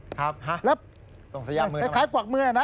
ครับฮะส่งสัญญาณมือทำไมครับคล้ายกวักมือนะ